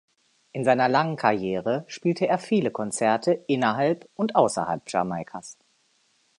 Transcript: In seiner langen Karriere spielte er viele Konzert innerhalb und außerhalb Jamaikas.